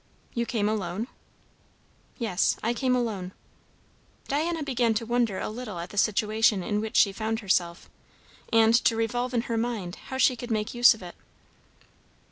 "You came alone?" "Yes, I came alone." Diana began to wonder a little at the situation in which she found herself, and to revolve in her mind how she could make use of it.